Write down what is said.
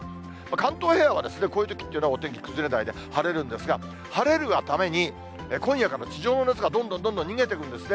関東平野はこういうときというのは、お天気崩れないで晴れるんですが、晴れるがために、今夜から地上の熱がどんどんどんどん逃げてくんですね。